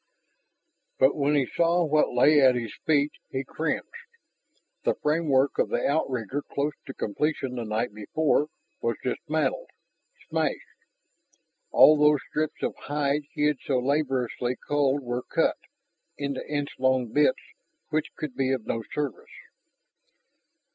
But when he saw what lay at his feet he cringed. The framework of the outrigger, close to completion the night before, was dismantled smashed. All those strips of hide he had so laboriously culled were cut into inch long bits which could be of no service.